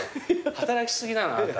働き過ぎなのあなた。